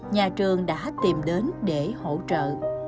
nhà trường đã tìm đến để hỗ trợ